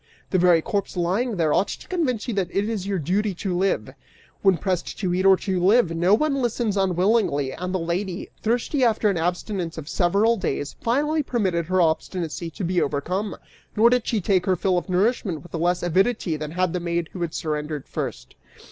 The very corpse lying there ought to convince you that your duty is to live!' When pressed to eat or to live, no one listens unwillingly, and the lady, thirsty after an abstinence of several days, finally permitted her obstinacy to be overcome; nor did she take her fill of nourishment with less avidity than had the maid who had surrendered first."